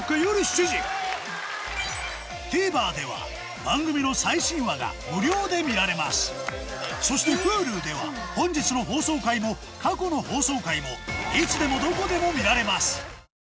ＴＶｅｒでは番組の最新話が無料で見られますそしてＨｕｌｕでは本日の放送回も過去の放送回もいつでもどこでも見られます